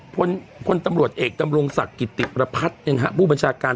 คนคนตำรวจเอกตำรงศักดิ์ติประพัดเนี้ยฮะผู้บัญชาการ